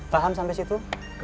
paham sampai situ